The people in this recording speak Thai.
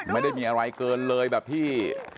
ไม่ได้มีอะไรเกินเลยแบบที่